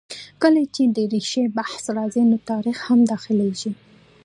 کله چې د ریښې بحث راځي؛ نو تاریخ هم را دا خلېږي.